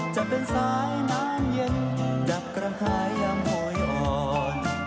จะเป็นสายน้ำเย็นดับกระทายยามพลอยอ่อน